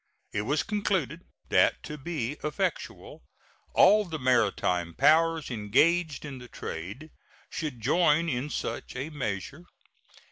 It was concluded that to be effectual all the maritime powers engaged in the trade should join in such a measure.